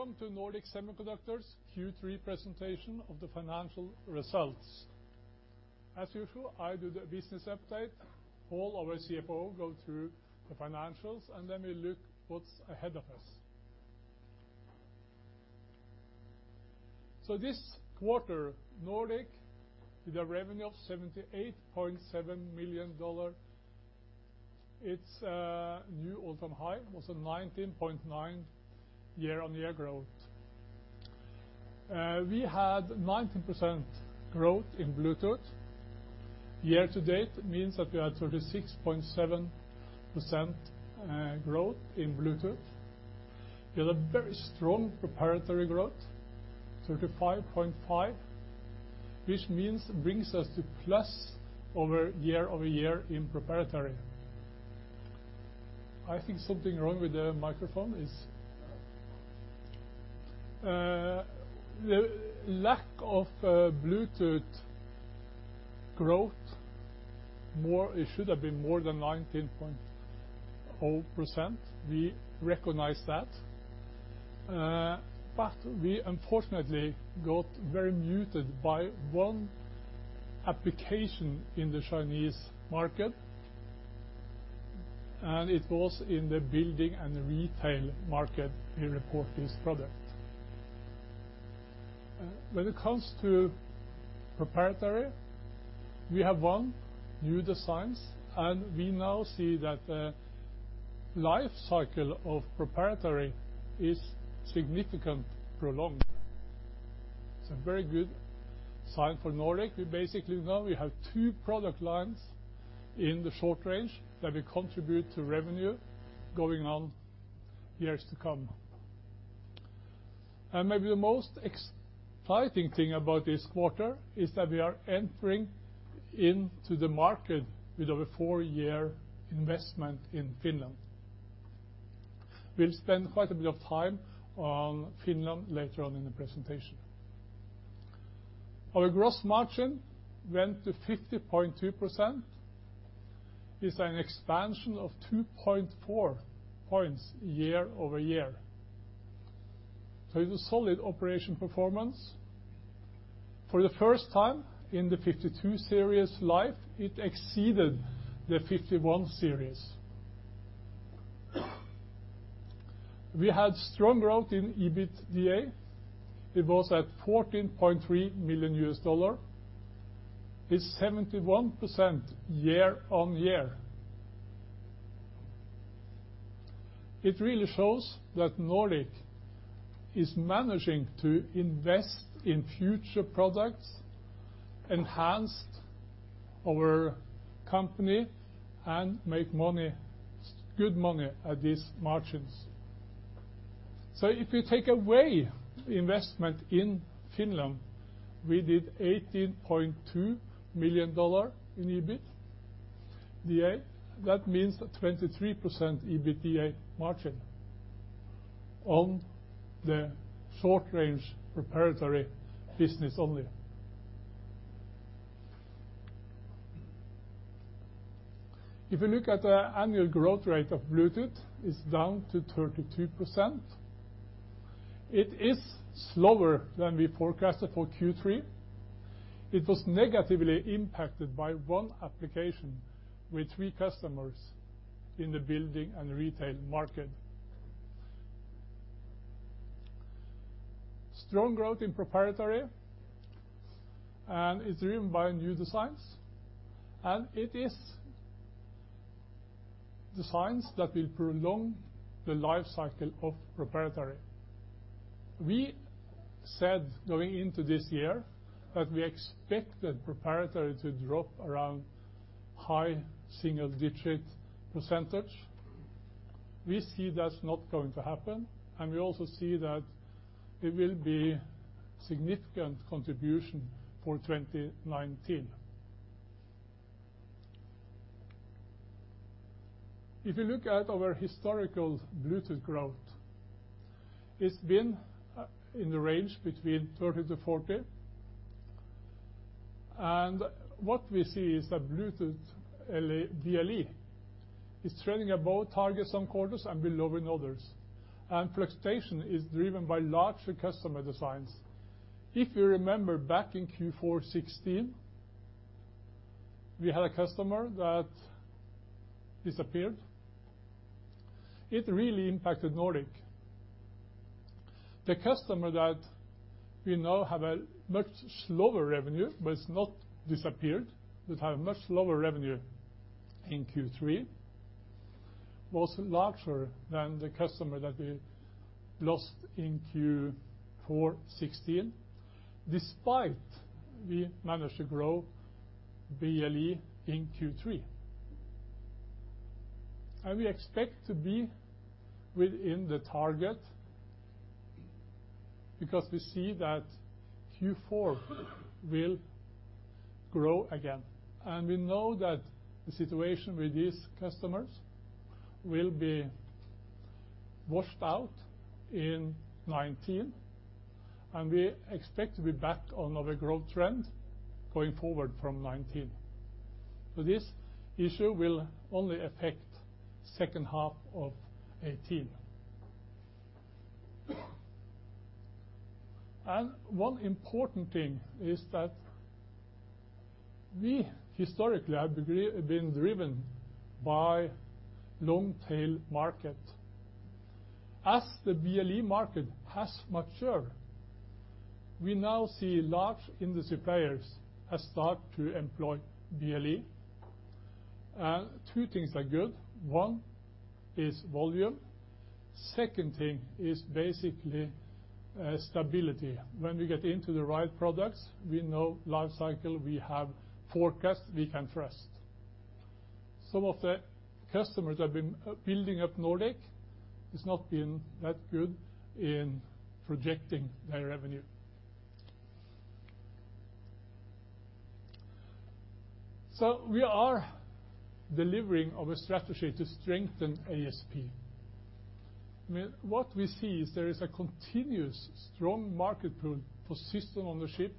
Welcome to Nordic Semiconductor's Q3 presentation of the financial results. As usual, I do the business update, Pål, our CFO, goes through the financials, and then we look at what's ahead of us. This quarter, Nordic, with a revenue of $78.7 million. Its new all-time high was a 19.9% year-on-year growth. We had 19% growth in Bluetooth. Year-to-date means that we are 36.7% growth in Bluetooth. We had a very strong proprietary growth, 35.5%, which means it brings us to plus over year-over-year in proprietary. I think something is wrong with the microphone. The lack of Bluetooth growth, it should have been more than 19.0%. We recognize that. We unfortunately got very muted by one application in the Chinese market, and it was in the building and retail market we report this product. When it comes to proprietary, we have one, new designs, and we now see that the life cycle of proprietary is significantly prolonged. It's a very good sign for Nordic. We basically know we have two product lines in the short range that will contribute to revenue going on years to come. Maybe the most exciting thing about this quarter is that we are entering into the market with over a four-year investment in Finland. We'll spend quite a bit of time on Finland later on in the presentation. Our gross margin went to 50.2%. It's an expansion of 2.4 points year-over-year. It's a solid operation performance. For the first time in the nRF52 Series life, it exceeded the nRF51 Series. We had strong growth in EBITDA. It was at $14.3 million. It's 71% year-on-year. It really shows that Nordic is managing to invest in future products, enhance our company, and make good money at these margins. If you take away investment in Finland, we did $18.2 million in EBITDA. That means a 23% EBITDA margin on the short-range proprietary business only. If you look at the annual growth rate of Bluetooth, it's down to 32%. It is slower than we forecasted for Q3. It was negatively impacted by one application with three customers in the building and retail market. Strong growth in proprietary, it's driven by new designs, and it is designs that will prolong the life cycle of proprietary. We said going into this year that we expected proprietary to drop around high single-digit percentage. We see that's not going to happen, and we also see that it will be significant contribution for 2019. If you look at our historical Bluetooth growth, it's been in the range between 30% to 40%. What we see is that Bluetooth BLE is trending above targets on quarters and below in others. Fluctuation is driven by larger customer designs. If you remember back in Q4 2016, we had a customer that disappeared. It really impacted Nordic. The customer that we now have a much slower revenue, but it's not disappeared. We've had a much slower revenue in Q3, was larger than the customer that we lost in Q4 2016, despite we managed to grow BLE in Q3. We expect to be within the target because we see that Q4 will grow again. We know that the situation with these customers will be washed out in 2019, and we expect to be back on our growth trend going forward from 2019. This issue will only affect second half of 2018. One important thing is that we historically have been driven by long-tail market. As the BLE market has matured, we now see large industry players have started to employ BLE. Two things are good. One is volume. Second thing is basically stability. When we get into the right products, we know life cycle, we have forecast we can trust. Some of the customers have been building up Nordic. It has not been that good in projecting their revenue. We are delivering our strategy to strengthen ASP. What we see is there is a continuous strong market pull for system ownership,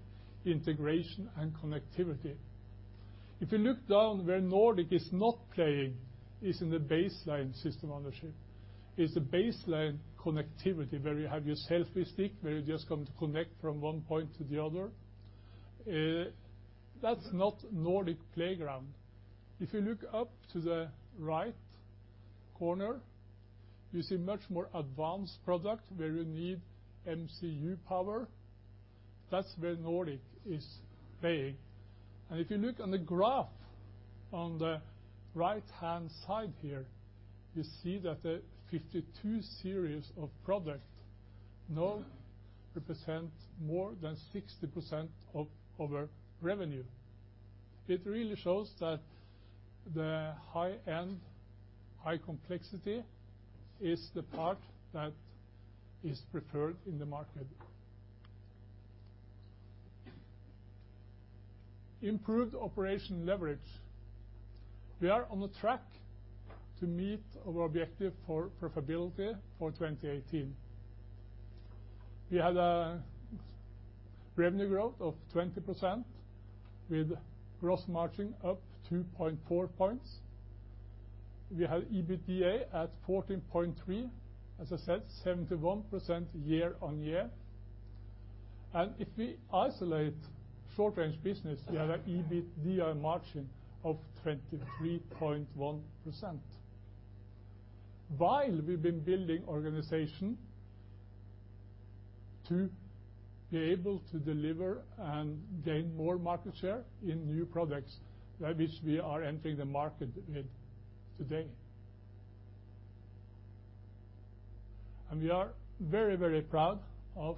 integration, and connectivity. If you look down where Nordic is not playing is in the baseline system ownership. It is the baseline connectivity where you have your selfie stick, where you are just going to connect from one point to the other. That is not Nordic playground. If you look up to the right corner, you see much more advanced product where you need MCU power. That is where Nordic is playing. If you look on the graph on the right-hand side here, you see that the nRF52 Series of product now represent more than 60% of our revenue. It really shows that the high-end, high complexity is the part that is preferred in the market. Improved operation leverage. We are on track to meet our objective for profitability for 2018. We had a revenue growth of 20% with gross margin up 2.4 points. We have EBITDA at 14.3, as I said, 71% year-on-year. If we isolate short-range business, we have an EBITDA margin of 23.1%. While we have been building organization to be able to deliver and gain more market share in new products that which we are entering the market with today. We are very proud of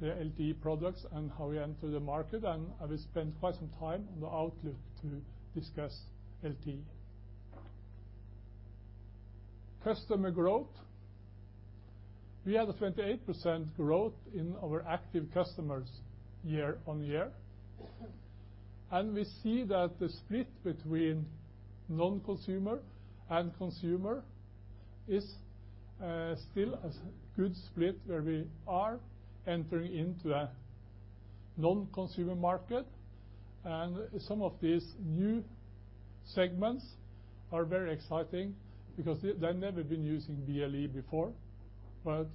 the LTE products and how we enter the market, and I will spend quite some time on the outlook to discuss LTE. Customer growth. We have a 28% growth in our active customers year-on-year. We see that the split between non-consumer and consumer is still a good split where we are entering into a non-consumer market. Some of these new segments are very exciting because they have never been using BLE before, but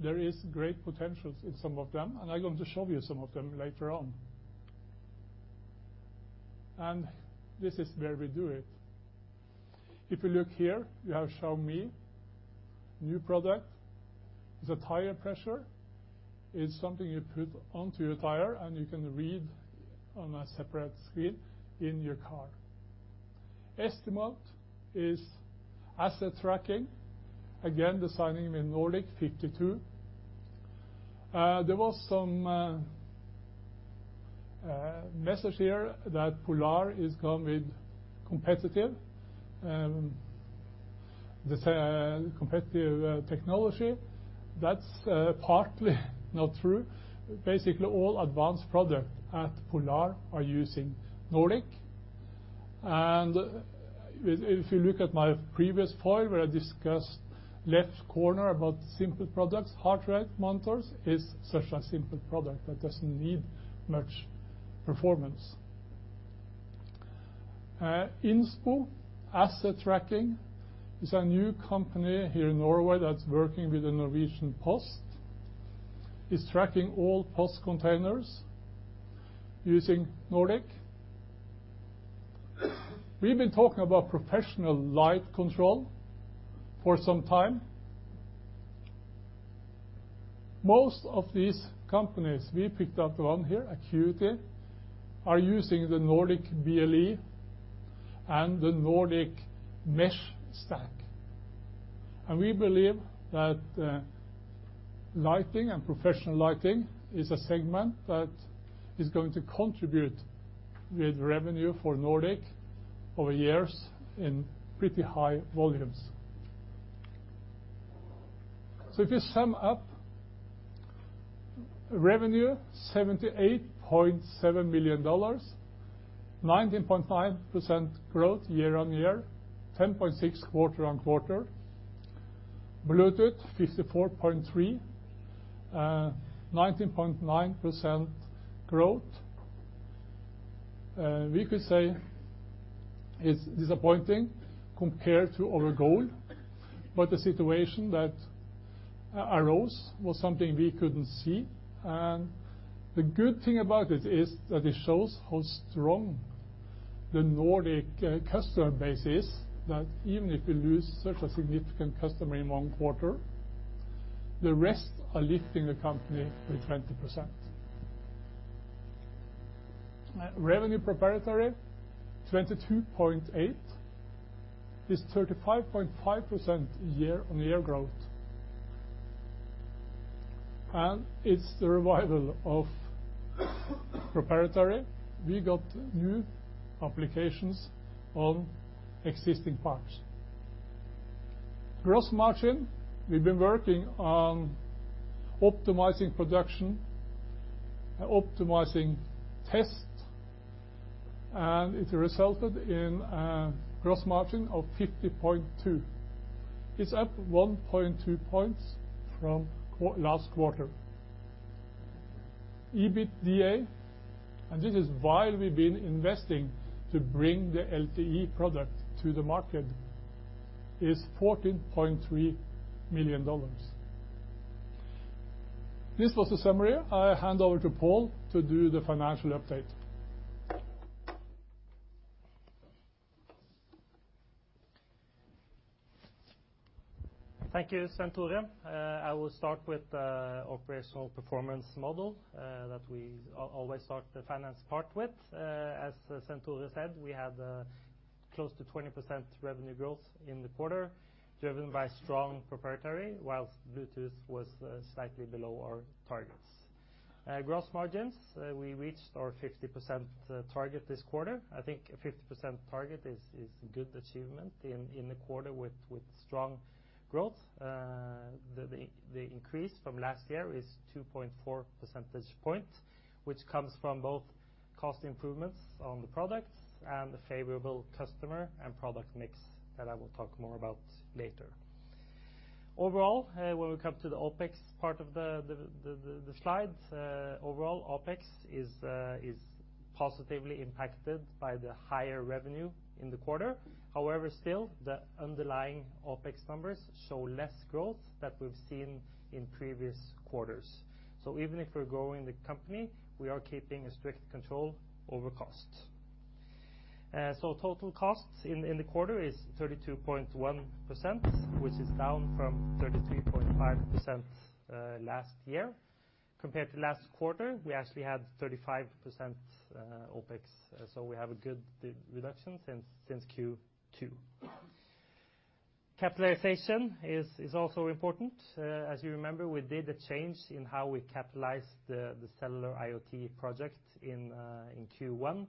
there is great potentials in some of them, and I am going to show you some of them later on. This is where we do it. If you look here, you have Xiaomi new product. It is a tire pressure. It is something you put onto your tire, and you can read on a separate screen in your car. Estimote is asset tracking, again, designing in nRF52. There was some message here that Polar is going with competitive technology. That is partly not true. Basically, all advanced product at Polar are using Nordic. If you look at my previous file where I discussed left corner about simple products, heart rate monitors is such a simple product that does not need much performance. Inspur Asset Tracking is a new company here in Norway that is working with Posten Norge, is tracking all post containers using Nordic. We have been talking about professional light control for some time. Most of these companies we picked up on here, Acuity Brands, are using the Nordic BLE and the Bluetooth Mesh stack. We believe that lighting and professional lighting is a segment that is going to contribute with revenue for Nordic over years in pretty high volumes. If you sum up revenue, $78.7 million, 19.9% growth year-on-year, 10.6% quarter-on-quarter. Bluetooth 54.3%, 19.9% growth. We could say it is disappointing compared to our goal, but the situation that arose was something we could not see. The good thing about it is that it shows how strong the Nordic customer base is, that even if we lose such a significant customer in one quarter, the rest are lifting the company with 20%. Revenue proprietary 22.8% is 35.5% year-on-year growth. It is the revival of proprietary. We got new applications on existing parts. Gross margin, we have been working on optimizing production, optimizing test, and it resulted in a gross margin of 50.2%. It is up 1.2 points from last quarter. EBITDA, this is while we've been investing to bring the LTE product to the market, is $14.3 million. This was the summary. I hand over to Pål to do the financial update. Thank you, Svenn-Tore. I will start with the operational performance model that we always start the finance part with. As Svenn-Tore said, we had close to 20% revenue growth in the quarter, driven by strong proprietary, whilst Bluetooth was slightly below our targets. Gross margins, we reached our 50% target this quarter. I think a 50% target is good achievement in the quarter with strong growth. The increase from last year is 2.4 percentage points, which comes from both cost improvements on the product and the favorable customer and product mix that I will talk more about later. Overall, when we come to the OpEx part of the slide, overall OpEx is positively impacted by the higher revenue in the quarter. However, still, the underlying OpEx numbers show less growth that we have seen in previous quarters. Even if we're growing the company, we are keeping a strict control over cost. Total cost in the quarter is 32.1%, which is down from 33.5% last year. Compared to last quarter, we actually had 35% OpEx, so we have a good reduction since Q2. Capitalization is also important. As you remember, we did a change in how we capitalized the Cellular IoT project in Q1.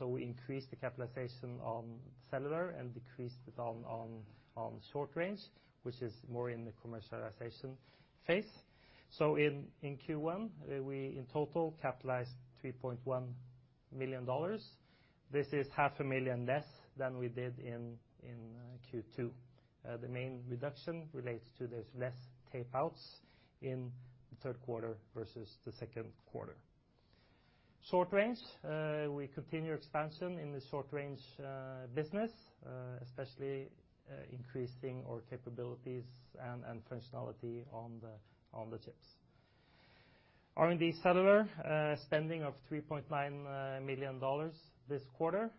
We increased the capitalization on Cellular and decreased it on short range, which is more in the commercialization phase. In Q1, we, in total, capitalized $3.1 million. This is half a million less than we did in Q2. The main reduction relates to there is less tape-outs in the third quarter versus the second quarter. Short range, we continue expansion in the short range business, especially increasing our capabilities and functionality on the chips. R&D cellular, spending of NOK 3.9 million this quarter.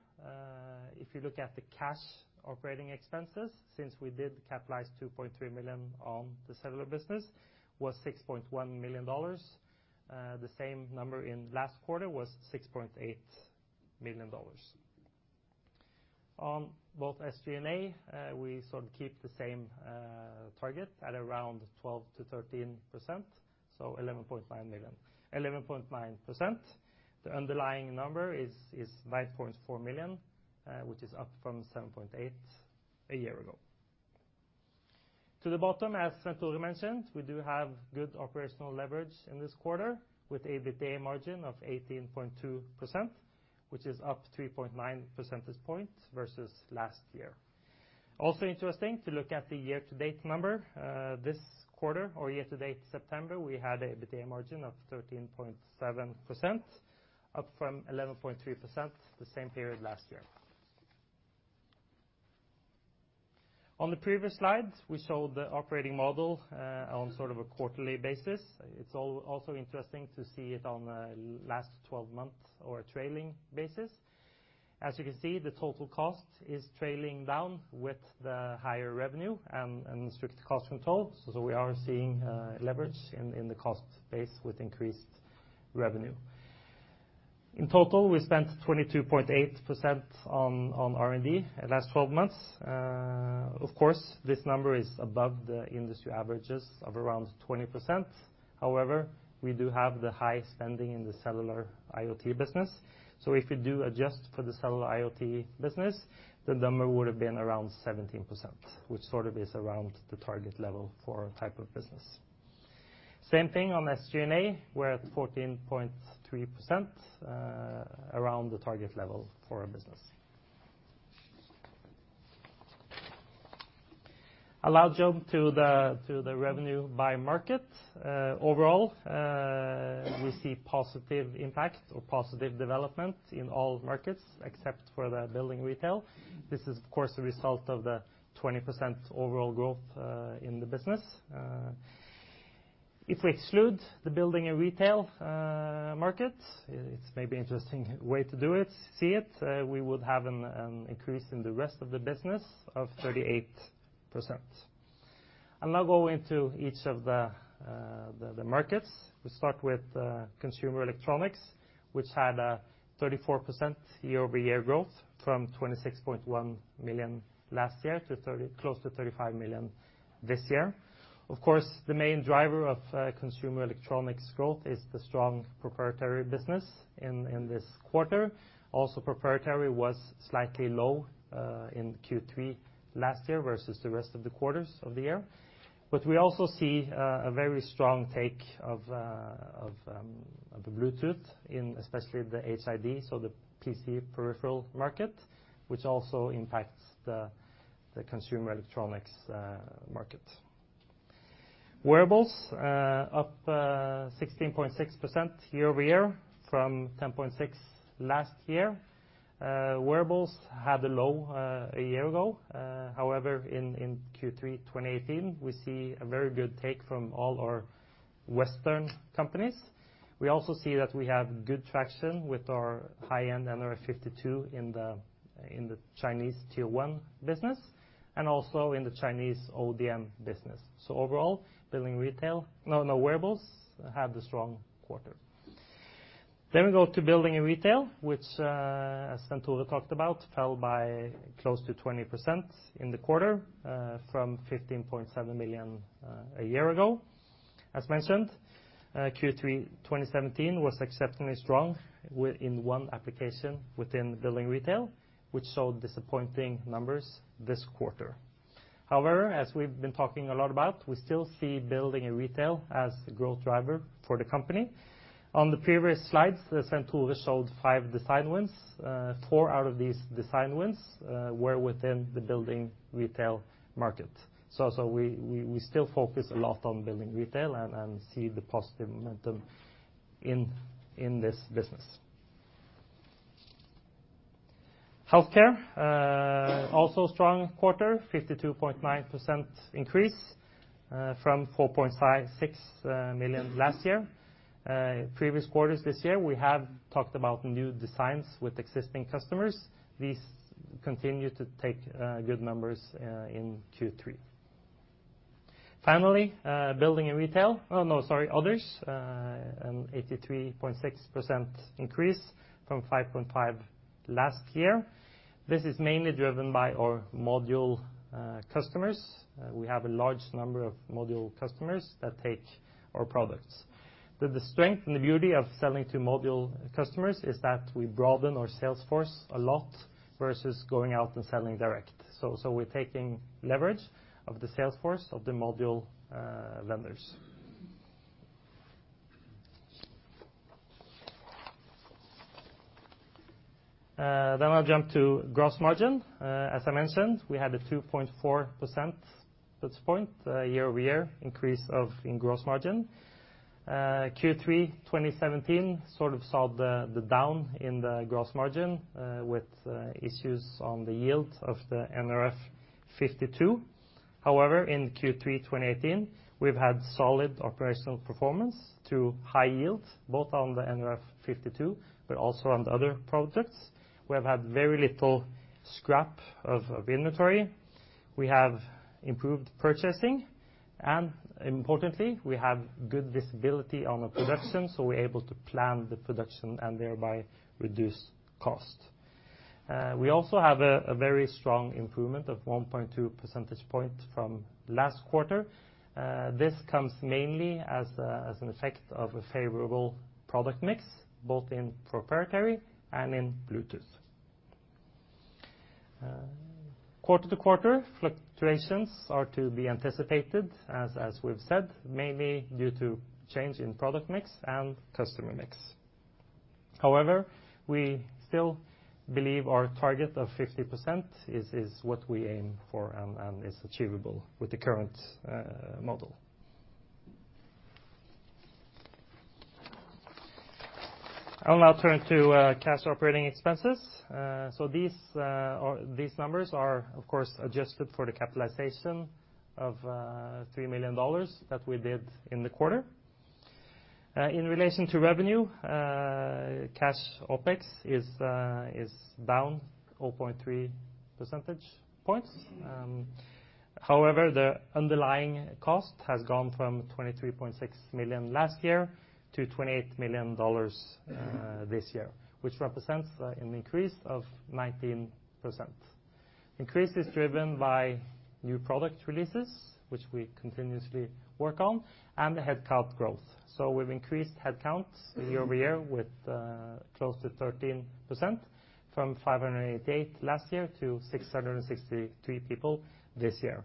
If you look at the cash operating expenses, since we did capitalize 2.3 million on the cellular business, was NOK 6.1 million. The same number in last quarter was NOK 6.8 million. On both SG&A, we sort of keep the same target at around 12%-13%, so 11.9%. The underlying number is 5.4 million, which is up from 7.8 million a year ago. To the bottom, as Svenn-Tore mentioned, we do have good operational leverage in this quarter with EBITDA margin of 18.2%, which is up 3.9 percentage points versus last year. Also interesting to look at the year-to-date number. This quarter or year-to-date September, we had EBITDA margin of 13.7%, up from 11.3% the same period last year. On the previous slide, we showed the operating model on sort of a quarterly basis. It's also interesting to see it on a last 12 months or a trailing basis. As you can see, the total cost is trailing down with the higher revenue and strict cost control. We are seeing leverage in the cost base with increased revenue. In total, we spent 22.8% on R&D last 12 months. Of course, this number is above the industry averages of around 20%. However, we do have the high spending in the Cellular IoT business. If you do adjust for the Cellular IoT business, the number would have been around 17%, which sort of is around the target level for our type of business. Same thing on SG&A. We're at 14.3%, around the target level for our business. I'll now jump to the revenue by market. Overall, we see positive impact or positive development in all markets except for the building retail. This is, of course, a result of the 20% overall growth in the business. If we exclude the building and retail markets, it's maybe interesting way to do it, see it, we would have an increase in the rest of the business of 38%. I'll now go into each of the markets. We start with consumer electronics, which had a 34% year-over-year growth from 26.1 million last year to close to 35 million this year. Of course, the main driver of consumer electronics growth is the strong proprietary business in this quarter. Also proprietary was slightly low in Q3 last year versus the rest of the quarters of the year. We also see a very strong take of the Bluetooth in especially the HID, so the PC peripheral market, which also impacts the consumer electronics market. Wearables up 16.6% year-over-year from 10.6 million last year. Wearables had a low a year ago. However, in Q3 2018, we see a very good take from all our Western companies. We also see that we have good traction with our high-end nRF52 in the Chinese tier 1 business and also in the Chinese ODM business. Overall, building retail, wearables had a strong quarter. We go to building and retail, which, as Svenn-Tore Larsen talked about, fell by close to 20% in the quarter from 15.7 million a year ago. As mentioned, Q3 2017 was exceptionally strong within one application within building retail, which showed disappointing numbers this quarter. However, as we've been talking a lot about, we still see building and retail as the growth driver for the company. On the previous slides, Svenn-Tore Larsen showed five design wins. Four out of these design wins were within the building retail market. We still focus a lot on building retail and see the positive momentum in this business. Healthcare, also a strong quarter, 52.9% increase from 4.56 million last year. Previous quarters this year, we have talked about new designs with existing customers. These continue to take good numbers in Q3. Finally, building and retail. Others, an 83.6% increase from 5.5 last year. This is mainly driven by our module customers. We have a large number of module customers that take our products. The strength and the beauty of selling to module customers is that we broaden our sales force a lot versus going out and selling direct. We're taking leverage of the sales force of the module vendors. I'll jump to gross margin. As I mentioned, we had a 2.4% percentage point year-over-year increase in gross margin. Q3 2017 saw the down in the gross margin with issues on the yield of the nRF52. In Q3 2018, we've had solid operational performance through high yields, both on the nRF52 but also on the other products. We have had very little scrap of inventory. We have improved purchasing, and importantly, we have good visibility on the production, so we're able to plan the production and thereby reduce cost. We also have a very strong improvement of 1.2 percentage points from last quarter. This comes mainly as an effect of a favorable product mix, both in proprietary and in Bluetooth. Quarter-to-quarter fluctuations are to be anticipated as we've said, mainly due to change in product mix and customer mix. We still believe our target of 50% is what we aim for and is achievable with the current model. I'll now turn to cash operating expenses. These numbers are, of course, adjusted for the capitalization of NOK 3 million that we did in the quarter. In relation to revenue, cash OpEx is down 0.3 percentage points. The underlying cost has gone from 23.6 million last year to NOK 28 million this year, which represents an increase of 19%. Increase is driven by new product releases, which we continuously work on, and the headcount growth. We've increased headcounts year-over-year with close to 13%, from 588 last year to 663 people this year.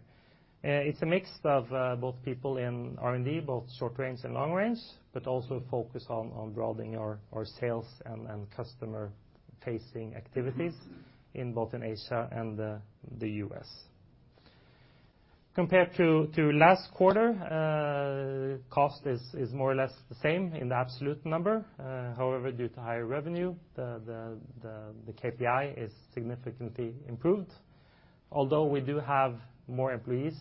It's a mix of both people in R&D, both short range and long range, but also focused on growing our sales and customer-facing activities both in Asia and the U.S. Compared to last quarter, cost is more or less the same in the absolute number. Due to higher revenue, the KPI is significantly improved. Although we do have more employees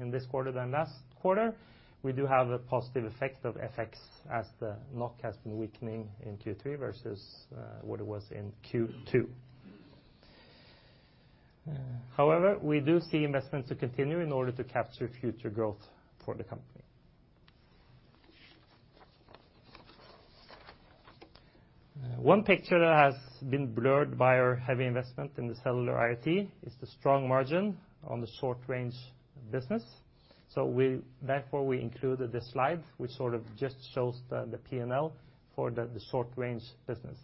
in this quarter than last quarter, we do have a positive effect of FX as the NOK has been weakening in Q3 versus what it was in Q2. We do see investments to continue in order to capture future growth for the company. One picture that has been blurred by our heavy investment in the Cellular IoT is the strong margin on the short range business. We included this slide, which just shows the P&L for the short range business.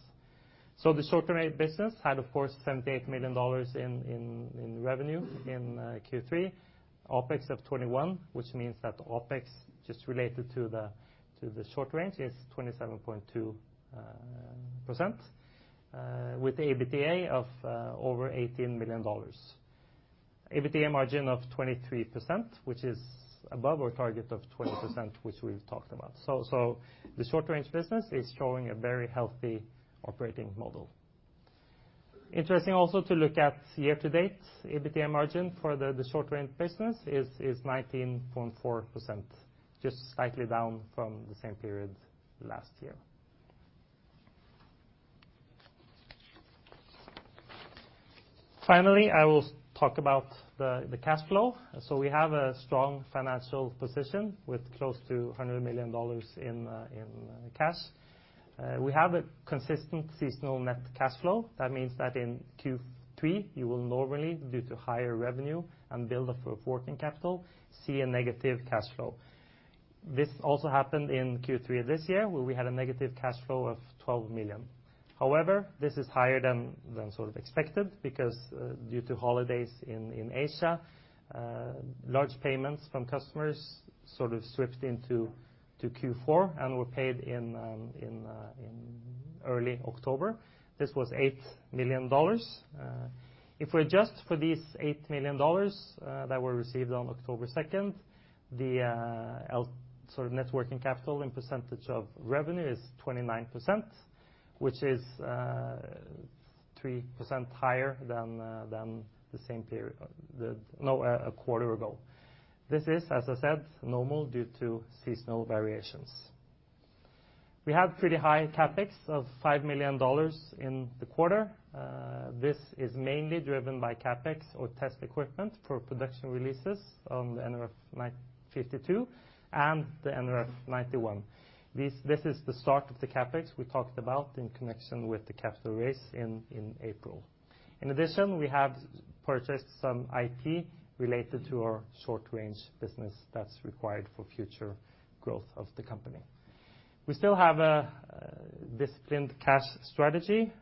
The short range business had, of course, NOK 78 million in revenue in Q3. OpEx of 21, which means that the OpEx just related to the short range is 27.2%, with the EBITDA of over NOK 18 million. EBITDA margin of 23%, which is above our target of 20%, which we've talked about. The short range business is showing a very healthy operating model. Interesting also to look at year-to-date EBITDA margin for the short range business is 19.4%, just slightly down from the same period last year. Finally, I will talk about the cash flow. We have a strong financial position with close to $100 million in cash. We have a consistent seasonal net cash flow. That means that in Q3 you will normally, due to higher revenue and build up for working capital, see a negative cash flow. This also happened in Q3 of this year, where we had a negative cash flow of $12 million. However, this is higher than sort of expected because due to holidays in Asia, large payments from customers sort of switched into Q4 and were paid in early October. This was $8 million. If we adjust for these $8 million that were received on October 2nd, the sort of net working capital in percentage of revenue is 29%, which is 3% higher than a quarter ago. This is, as I said, normal due to seasonal variations. We have pretty high CapEx of $5 million in the quarter. This is mainly driven by CapEx or test equipment for production releases on the nRF52 and the nRF91. This is the start of the CapEx we talked about in connection with the capital raise in April. In addition, we have purchased some IT related to our short range business that's required for future growth of the company. We still have a disciplined cash strategy.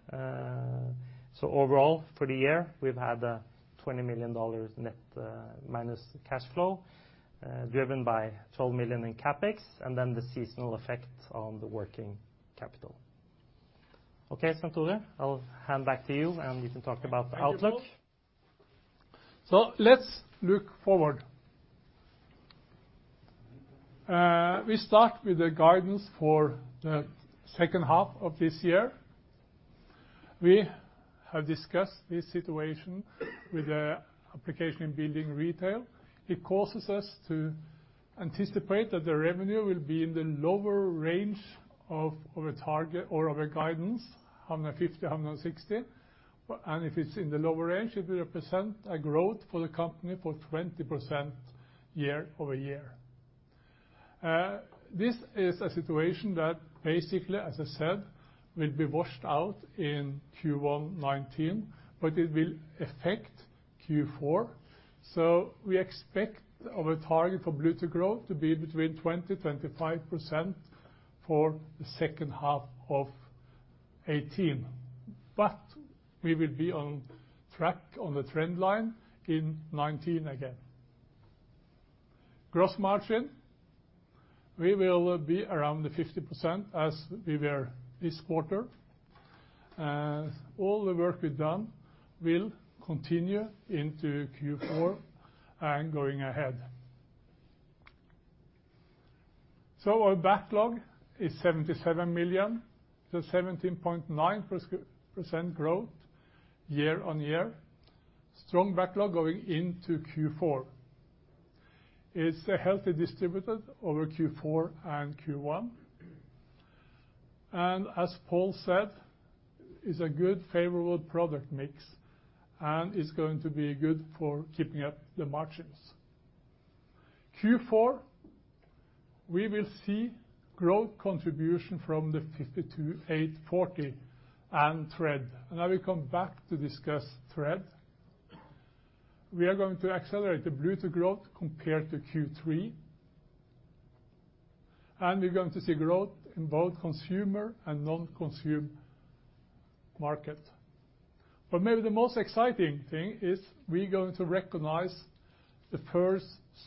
Overall, for the year, we've had a $20 million net minus cash flow, driven by $12 million in CapEx, and then the seasonal effect on the working capital. Okay, Svenn-Tore, I'll hand back to you. You can talk about the outlook. Thank you, Pål. Let's look forward. We start with the guidance for the second half of this year. We have discussed this situation with the application in building retail. It causes us to anticipate that the revenue will be in the lower range of our target or our guidance, $150 million-$160 million. If it's in the lower range, it will represent a growth for the company for 20% year-over-year. This is a situation that basically, as I said, will be washed out in Q1 2019. It will affect Q4. We expect our target for Bluetooth growth to be between 20%-25% for the second half of 2018. We will be on track on the trend line in 2019 again. Gross margin, we will be around the 50% as we were this quarter. All the work we've done will continue into Q4 and going ahead. Our backlog is 77 million, 17.9% growth year-on-year. Strong backlog going into Q4. It is healthy distributed over Q4 and Q1. As Pål said, it is a good favorable product mix, and it is going to be good for keeping up the margins. Q4, we will see growth contribution from the nRF52840 and Thread. I will come back to discuss Thread. We are going to accelerate the Bluetooth growth compared to Q3, and we are going to see growth in both consumer and non-consumer markets. Maybe the most exciting thing is we are going to recognize the first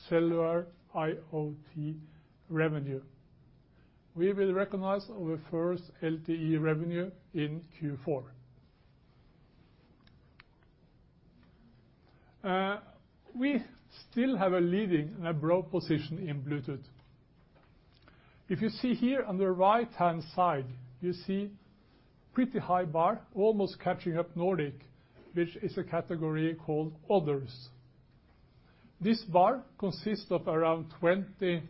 Cellular IoT revenue. We will recognize our first LTE revenue in Q4. We still have a leading and a broad position in Bluetooth. If you see here on the right-hand side, you see a pretty high bar, almost catching up Nordic, which is a category called others. This bar consists of around 20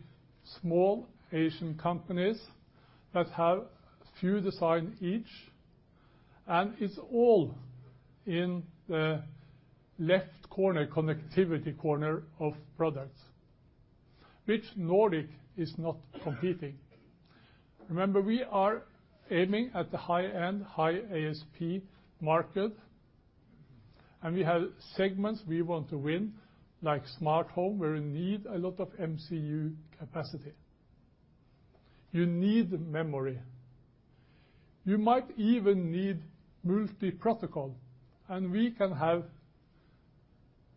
small Asian companies that have few designs each, and it is all in the left corner, connectivity corner of products, which Nordic is not competing. Remember, we are aiming at the high-end, high ASP market, and we have segments we want to win, like smart home, where you need a lot of MCU capacity. You need memory. You might even need multi-protocol, and we can have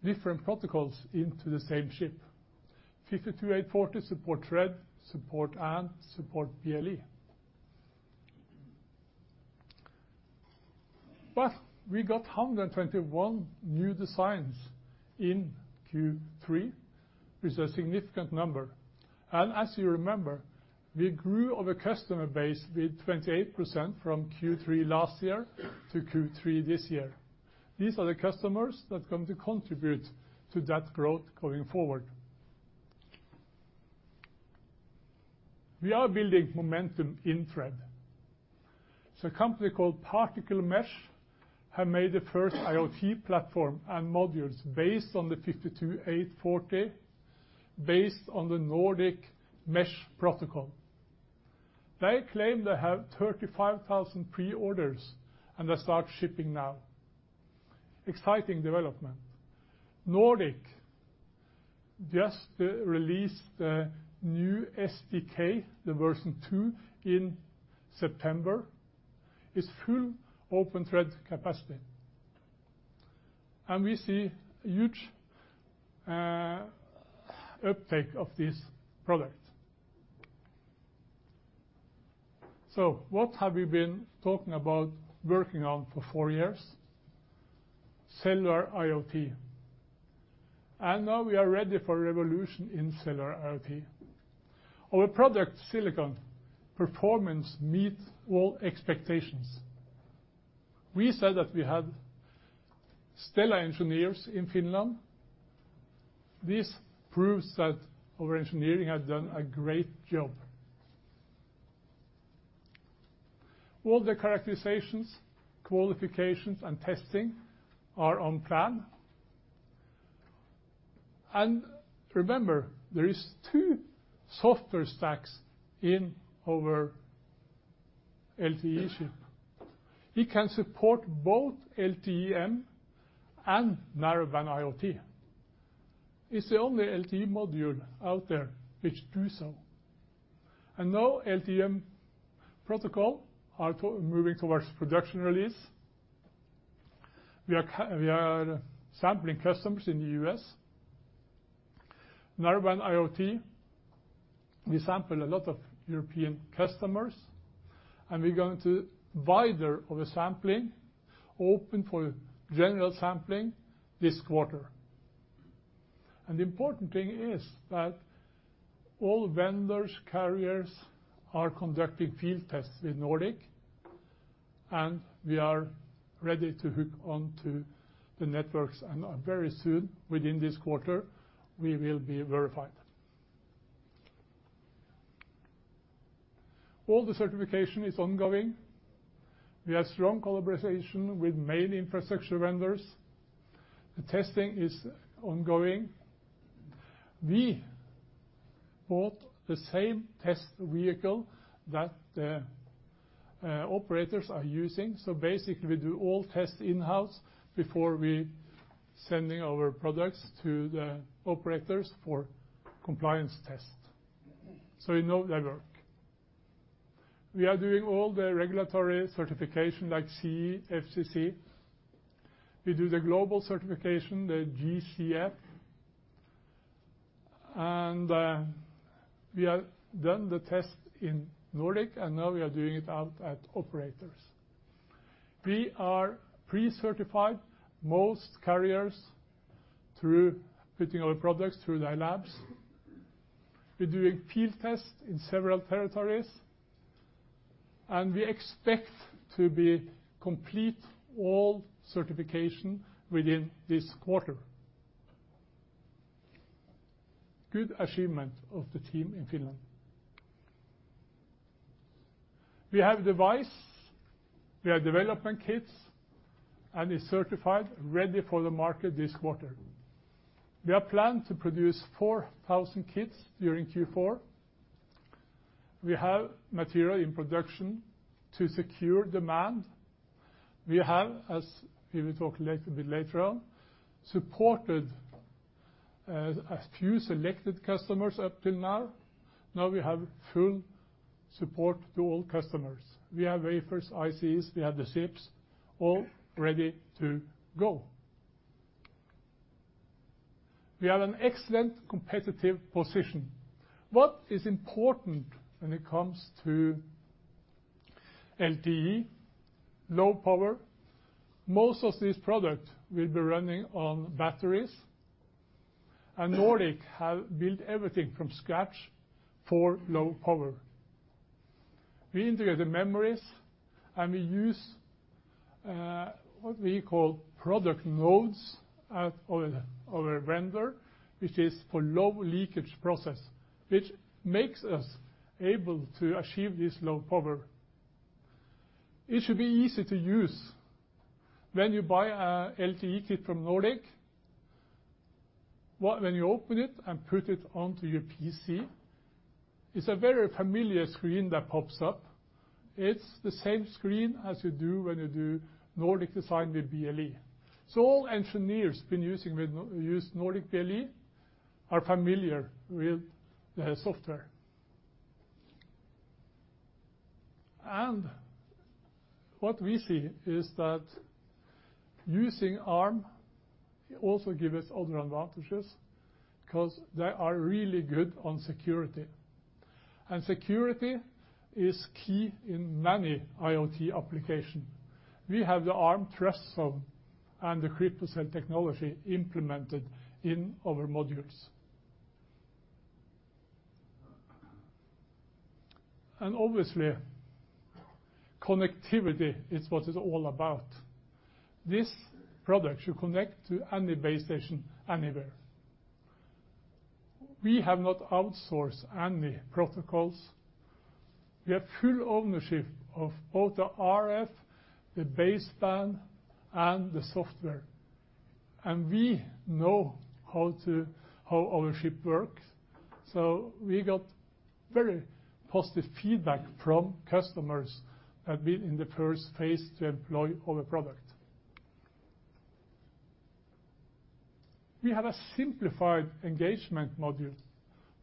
different protocols into the same chip. nRF52840 support Thread, support ANT, support BLE. We got 121 new designs in Q3. It is a significant number. As you remember, we grew our customer base with 28% from Q3 last year to Q3 this year. These are the customers that are going to contribute to that growth going forward. We are building momentum in Thread. A company called Particle have made the first IoT platform and modules based on the nRF52840, based on the Nordic Mesh protocol. They claim they have 35,000 preorders, and they start shipping now. Exciting development. Nordic just released a new SDK, version 2, in September. It is full OpenThread capacity. We see huge uptake of this product. What have we been talking about working on for four years? Cellular IoT. Now we are ready for revolution in Cellular IoT. Our product silicon performance meets all expectations. We said that we had stellar engineers in Finland. This proves that our engineering has done a great job. All the characterizations, qualifications, and testing are on plan. Remember, there are two software stacks in our LTE chip. It can support both LTE-M and Narrowband IoT. It is the only LTE module out there which does so. Now LTE-M protocol is moving towards production release. We are sampling customers in the U.S. Narrowband IoT, we sample a lot of European customers, and we are going to widen our sampling, open for general sampling this quarter. The important thing is that all vendors, carriers are conducting field tests with Nordic, and we are ready to hook onto the networks, and very soon, within this quarter, we will be verified. All the certification is ongoing. We have strong collaboration with main infrastructure vendors. The testing is ongoing. We bought the same test vehicle that the operators are using, so basically, we do all tests in-house before sending our products to the operators for compliance test. We know they work. We are doing all the regulatory certification like CE, FCC. We do the global certification, the GCF. We have done the test in Nordic. Now we are doing it out at operators. We are pre-certified most carriers through putting our products through their labs. We're doing field tests in several territories. We expect to be complete all certification within this quarter. Good achievement of the team in Finland. We have device, we have development kits, and is certified, ready for the market this quarter. We have planned to produce 4,000 kits during Q4. We have material in production to secure demand. We have, as we will talk a little bit later on, supported a few selected customers up till now. Now we have full support to all customers. We have wafers, ICs, we have the chips all ready to go. We have an excellent competitive position. What is important when it comes to LTE, low power, most of these products will be running on batteries. Nordic have built everything from scratch for low power. We integrate the memories. We use what we call process nodes at our vendor, which is for low leakage process, which makes us able to achieve this low power. It should be easy to use. When you buy a LTE kit from Nordic, when you open it and put it onto your PC, it's a very familiar screen that pops up. It's the same screen as you do when you do Nordic design with BLE. All engineers been using Nordic BLE are familiar with the software. What we see is that using Arm also give us other advantages, because they are really good on security. Security is key in many IoT application. We have the Arm TrustZone and the CryptoCell technology implemented in our modules. Obviously, connectivity is what it's all about. This product should connect to any base station, anywhere. We have not outsourced any protocols. We have full ownership of both the RF, the baseband, and the software. We know how our chip works. We got very positive feedback from customers that have been in the first phase to employ our product. We have a simplified engagement model.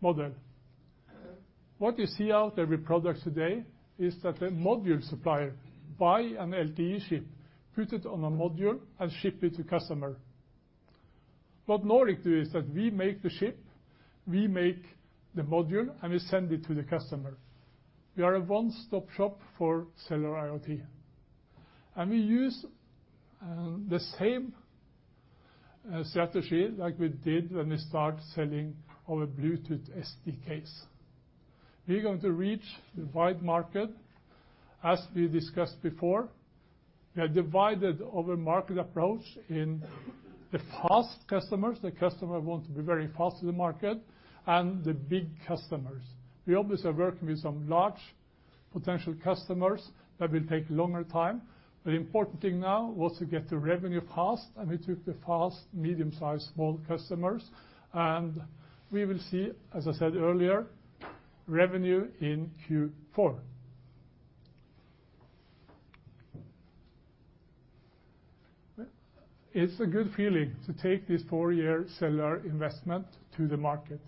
What you see out every product today is that a module supplier buy an LTE chip, put it on a module, and ship it to customer. What Nordic do is that we make the chip, we make the module, and we send it to the customer. We are a one-stop shop for Cellular IoT. We use the same strategy like we did when we start selling our Bluetooth SDKs. We're going to reach the wide market, as we discussed before. We are divided over market approach in the fast customers, the customer who want to be very fast to the market, and the big customers. We obviously are working with some large potential customers that will take longer time. The important thing now was to get the revenue fast. We took the fast medium-sized small customers. We will see, as I said earlier, revenue in Q4. It's a good feeling to take this four-year Cellular investment to the market.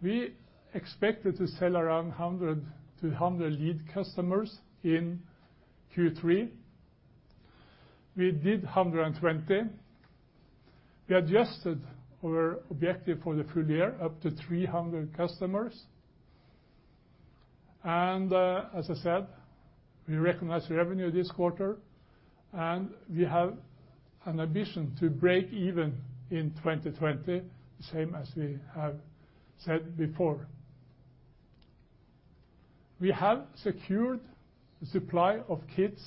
We expected to sell around 100 to 100 lead customers in Q3. We did 120. We adjusted our objective for the full year up to 300 customers. As I said, we recognize revenue this quarter, and we have an ambition to break even in 2020, same as we have said before. We have secured supply of kits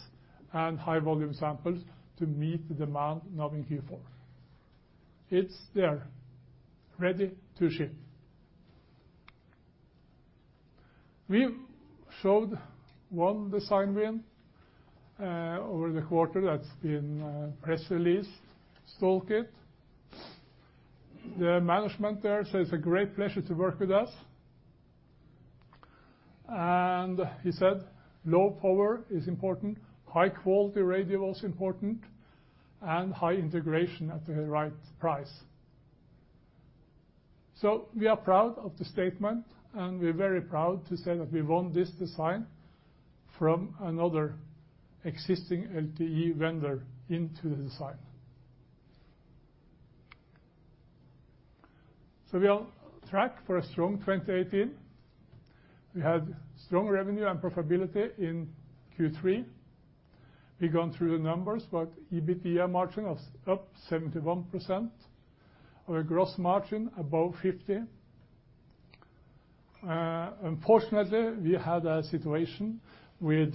and high volume samples to meet the demand now in Q4. It's there, ready to ship. We showed one design win over the quarter that's been press released, Track-It!. The management there says, "A great pleasure to work with us." He said, "Low power is important, high quality radio was important, and high integration at the right price." We are proud of the statement, and we're very proud to say that we won this design from another existing LTE vendor into the design. We are on track for a strong 2018. We had strong revenue and profitability in Q3. We've gone through the numbers, EBITDA margin was up 71%, our gross margin above 50. Unfortunately, we had a situation with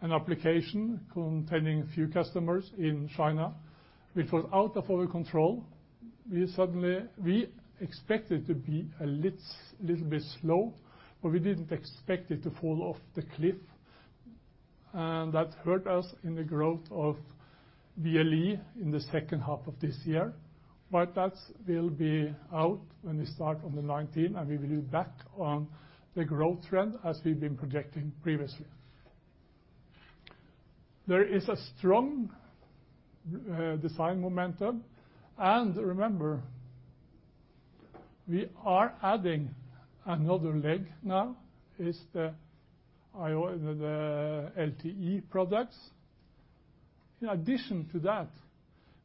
an application containing a few customers in China, which was out of our control. We expected to be a little bit slow, but we didn't expect it to fall off the cliff. That hurt us in the growth of BLE in the second half of this year. That will be out when we start on the 19th, and we will be back on the growth trend as we've been projecting previously. There is a strong design momentum. Remember, we are adding another leg now, is the LTE products. In addition to that,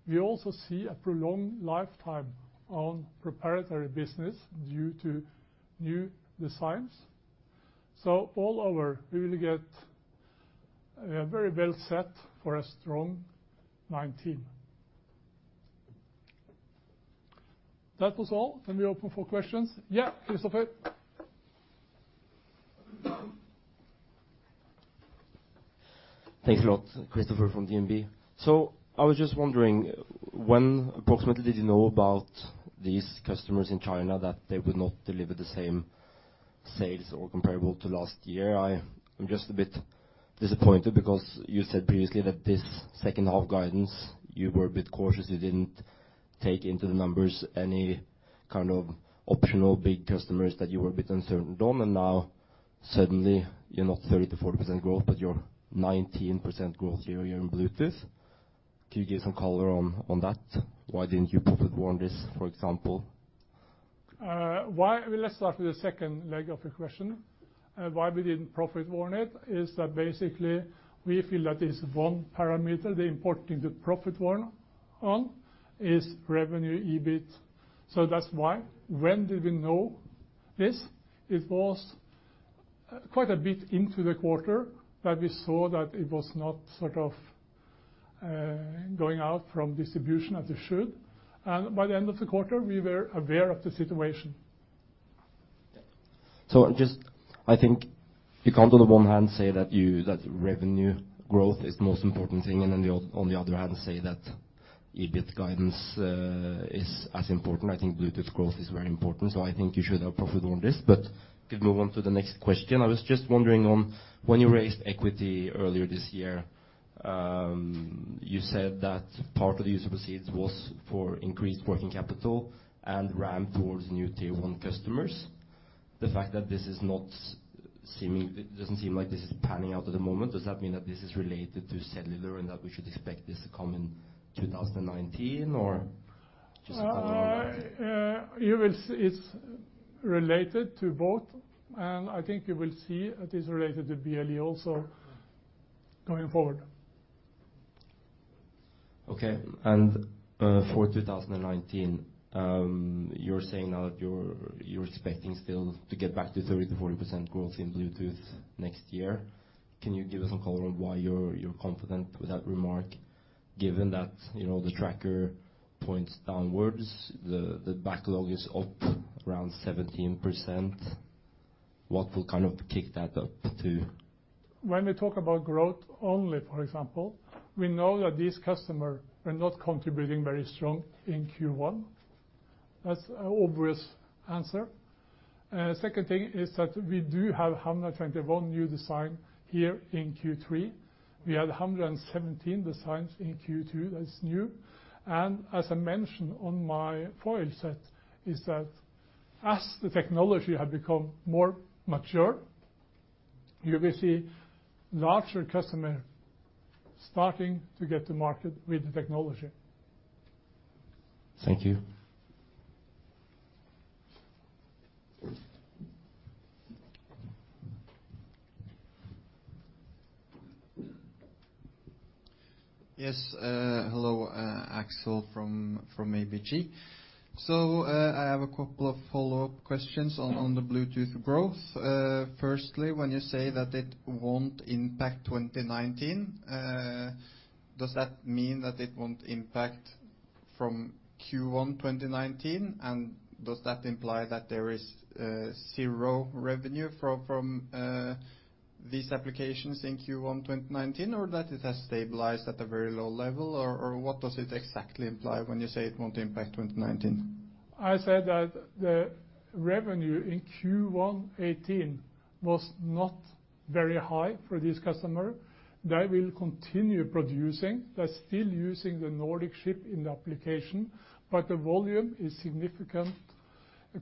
we also see a prolonged lifetime on proprietary business due to new designs. All over, we will get very well set for a strong 2019. That was all. We open for questions. Yeah, Christoffer. Thanks a lot. Christoffer from DNB. I was just wondering, when approximately did you know about these customers in China that they would not deliver the same sales or comparable to last year? I'm just a bit disappointed because you said previously that this second half guidance, you were a bit cautious. You didn't take into the numbers any kind of optional big customers that you were a bit uncertain on, and now suddenly you're not 30%-40% growth, but you're 19% growth here year in Bluetooth. Can you give some color on that? Why didn't you profit warn this, for example? Well, let's start with the second leg of your question. Why we didn't profit warn it, is that basically we feel that is one parameter. The important to profit warn on is revenue EBIT. That's why. When did we know this? It was quite a bit into the quarter that we saw that it was not sort of going out from distribution as it should. By the end of the quarter, we were aware of the situation. Just, I think you can't on the one hand say that revenue growth is the most important thing, and then on the other hand say that EBIT guidance is as important. I think Bluetooth growth is very important. I think you should have profit warned this. Could we move on to the next question? I was just wondering on when you raised equity earlier this year, you said that part of the use of proceeds was for increased working capital and RAM towards new tier 1 customers. The fact that it doesn't seem like this is panning out at the moment. Does that mean that this is related to cellular and that we should expect this to come in 2019, or just a follow on that? It's related to both. I think you will see it is related to BLE also going forward. Okay, for 2019, you're saying now that you're expecting still to get back to 30%-40% growth in Bluetooth next year. Can you give us some color on why you're confident with that remark, given that the tracker points downwards, the backlog is up around 17%. What will kind of kick that up to? When we talk about growth only, for example, we know that this customer were not contributing very strong in Q1. That's obvious answer. Second thing is that we do have 121 new design here in Q3. We had 117 designs in Q2 that's new. As I mentioned on my foil set, is that as the technology have become more mature, you will see larger customer starting to get to market with the technology. Thank you. Yes. Hello. Axel from ABG. I have a couple of follow-up questions on the Bluetooth growth. Firstly, when you say that it won't impact 2019, does that mean that it won't impact from Q1 2019? Does that imply that there is zero revenue from these applications in Q1 2019, or that it has stabilized at a very low level? What does it exactly imply when you say it won't impact 2019? I said that the revenue in Q1 2018 was not very high for this customer. They will continue producing. They're still using the Nordic chip in the application, but the volume is significant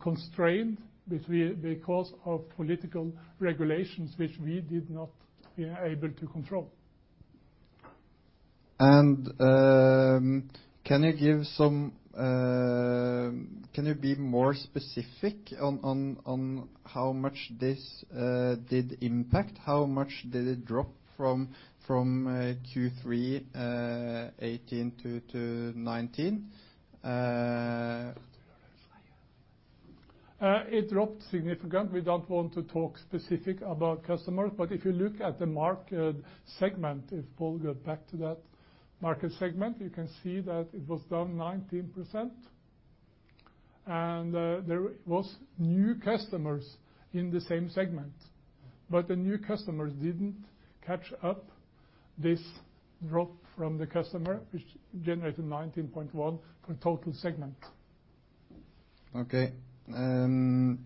constrained because of political regulations, which we did not able to control. Can you be more specific on how much this did impact? How much did it drop from Q3 2018 to 2019? It dropped significant. We don't want to talk specific about customers, but if you look at the market segment, if Pål go back to that market segment, you can see that it was down 19%. There was new customers in the same segment. The new customers didn't catch up this drop from the customer, which generated 19.1 for total segment. Okay. On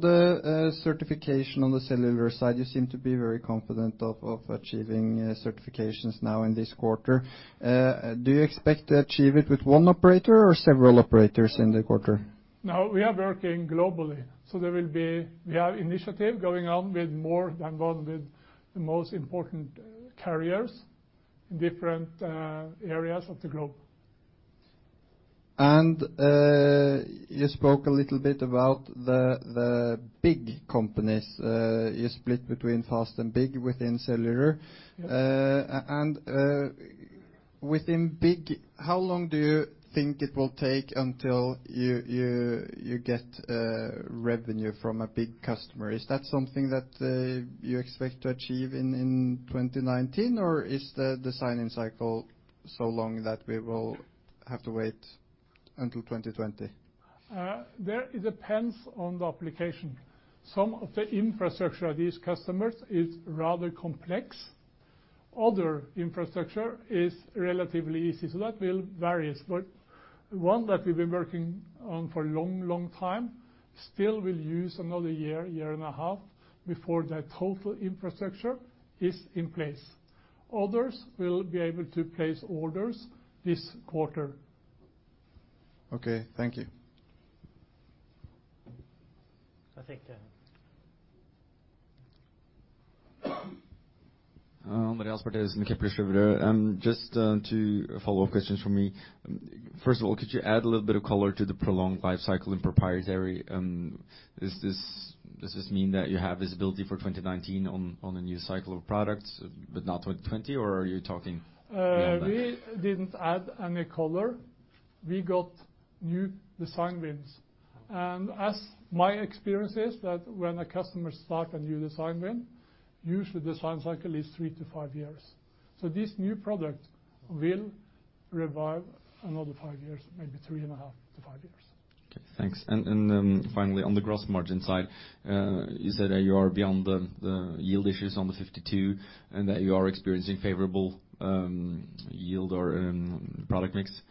the certification on the cellular side, you seem to be very confident of achieving certifications now in this quarter. Do you expect to achieve it with one operator or several operators in the quarter? No, we are working globally. We have initiative going on with more than one with the most important carriers in different areas of the globe. You spoke a little bit about the big companies. You split between fast and big within cellular. Yes. Within big, how long do you think it will take until you get revenue from a big customer? Is that something that you expect to achieve in 2019? Or is the design cycle so long that we will have to wait until 2020? It depends on the application. Some of the infrastructure of these customers is rather complex. Other infrastructure is relatively easy. That will vary. One that we've been working on for a long time, still will use another year and a half, before the total infrastructure is in place. Others will be able to place orders this quarter. Okay. Thank you. I think. Marius Berte, Kepler Cheuvreux. Just two follow-up questions from me. First of all, could you add a little bit of color to the prolonged life cycle in proprietary? Does this mean that you have visibility for 2019 on a new cycle of products but not 2020, or are you talking beyond that? We didn't add any color. We got new design wins. Okay. As my experience is that when a customer start a new design win, usually design cycle is 3-5 years. This new product will revive another five years, maybe three and a half to five years. Okay, thanks. Then finally, on the gross margin side, you said that you are beyond the yield issues on the 52 and that you are experiencing favorable yield or product mix.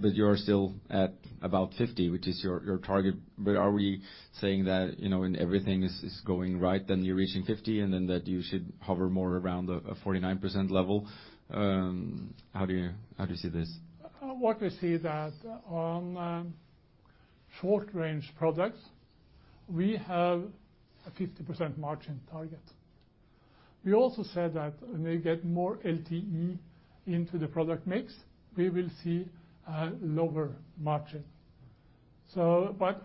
You are still at about 50%, which is your target, but are we saying that when everything is going right, then you're reaching 50%, and then that you should hover more around a 49% level? How do you see this? What we see that on short range products, we have a 50% margin target. We also said that when we get more LTE into the product mix, we will see a lower margin.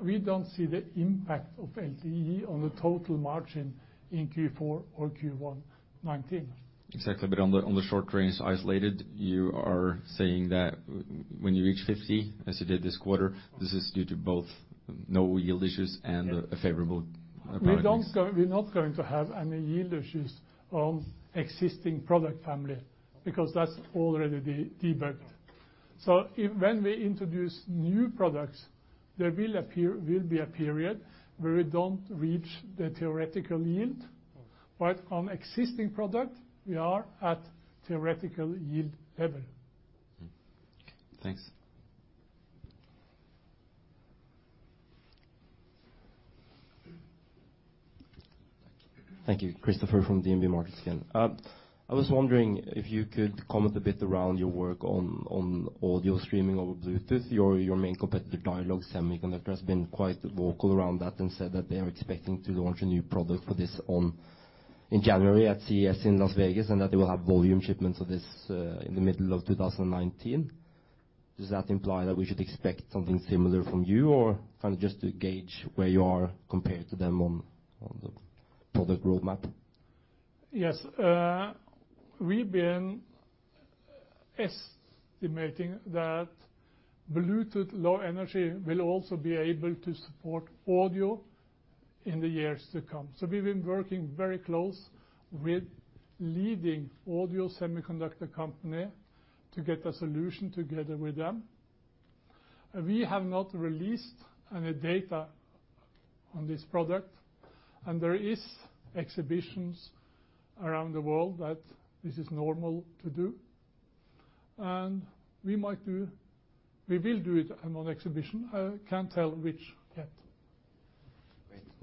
We don't see the impact of LTE on the total margin in Q4 or Q1 2019. Exactly. On the short range isolated, you are saying that when you reach 50, as you did this quarter, this is due to both no yield issues and a favorable product mix. We're not going to have any yield issues on existing product family because that's already debugged. Okay. When we introduce new products, there will be a period where we don't reach the theoretical yield. Okay. On existing product, we are at theoretical yield level. Okay. Thanks. Thank you. Thank you. Christoffer from DNB Markets again. I was wondering if you could comment a bit around your work on audio streaming over Bluetooth. Your main competitor, Dialog Semiconductor, has been quite vocal around that and said that they are expecting to launch a new product for this in January at CES in Las Vegas, and that they will have volume shipments of this in the middle of 2019. Does that imply that we should expect something similar from you? Kind of just to gauge where you are compared to them on the product roadmap? Yes. We've been estimating that Bluetooth Low Energy will also be able to support audio in the years to come. We've been working very close with leading audio semiconductor company to get a solution together with them. We have not released any data on this product, there is exhibitions around the world that this is normal to do. We will do it on exhibition. I can't tell which yet.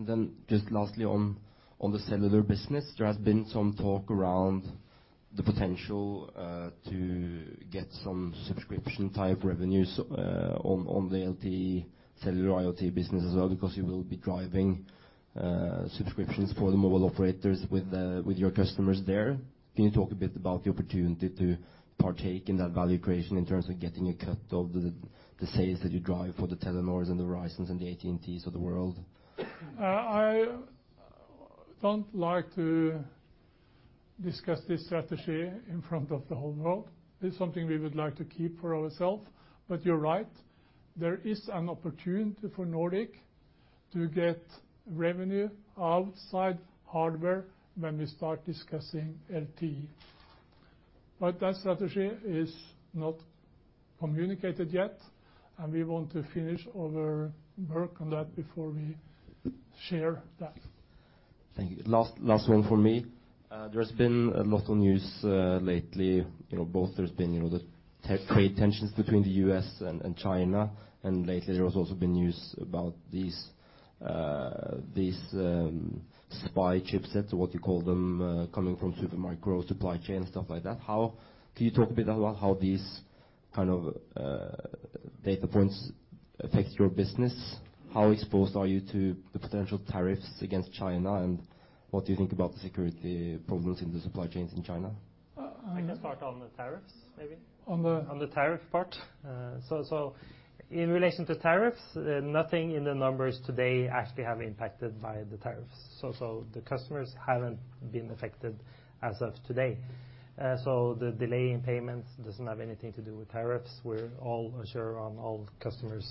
Great. Just lastly on the cellular business, there has been some talk around the potential to get some subscription-type revenues on the LTE Cellular IoT business as well because you will be driving subscriptions for the mobile operators with your customers there. Can you talk a bit about the opportunity to partake in that value creation in terms of getting a cut of the sales that you drive for the Telenors and the Verizons and the AT&Ts of the world? I don't like to discuss this strategy in front of the whole world. It's something we would like to keep for ourself. You're right, there is an opportunity for Nordic to get revenue outside hardware when we start discussing LTE. That strategy is not communicated yet, we want to finish our work on that before we share that. Thank you. Last one for me. There's been a lot of news lately. Both there's been the trade tensions between the U.S. and China, and lately there's also been news about these spy chipsets, what you call them, coming from Supermicro supply chain, stuff like that. Can you talk a bit about how these kind of data points affect your business? How exposed are you to the potential tariffs against China, and what do you think about the security problems in the supply chains in China? I can start on the tariffs, maybe. On the- On the tariff part. In relation to tariffs, nothing in the numbers today actually have impacted by the tariffs. The customers haven't been affected as of today. The delay in payments doesn't have anything to do with tariffs. We're all assured on all customers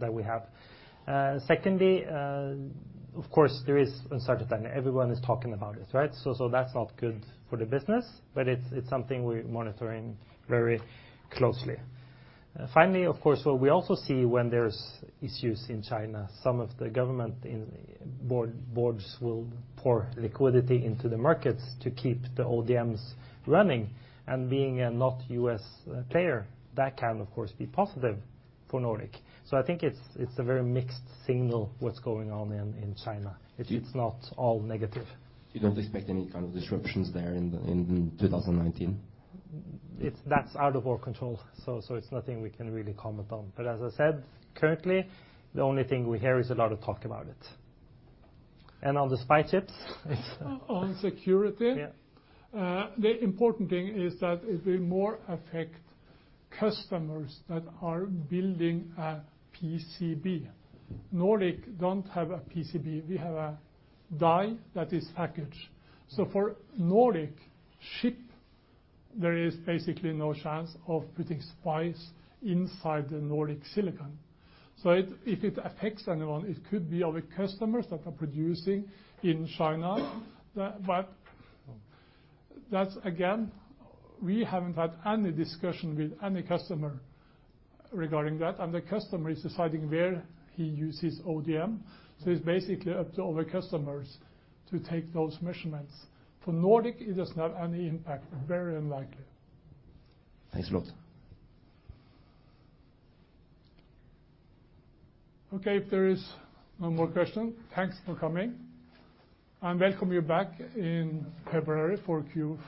that we have. Secondly, of course, there is uncertainty and everyone is talking about it, right? That's not good for the business, but it's something we're monitoring very closely. Finally, of course, what we also see when there's issues in China, some of the government boards will pour liquidity into the markets to keep the ODMs running. Being a not U.S. player, that can of course, be positive for Nordic. I think it's a very mixed signal what's going on in China. It's not all negative. You don't expect any kind of disruptions there in 2019? That's out of our control, so it's nothing we can really comment on. As I said, currently, the only thing we hear is a lot of talk about it. On the spy chips? On security? Yeah. The important thing is that it will more affect customers that are building a PCB. Nordic don't have a PCB, we have a die that is packaged. For Nordic chip, there is basically no chance of putting spies inside the Nordic silicon. If it affects anyone, it could be our customers that are producing in China, but that again, we haven't had any discussion with any customer regarding that, and the customer is deciding where he uses ODM. It's basically up to our customers to take those measurements. For Nordic, it does not have any impact. Very unlikely. Thanks a lot. Okay, if there is no more question, thanks for coming, and welcome you back in February for Q4.